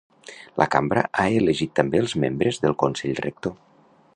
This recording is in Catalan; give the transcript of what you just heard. La cambra ha elegit també els membres del consell rector.